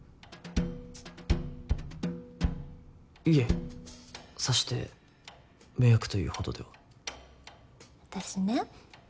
いえさして迷惑というほどでは私ね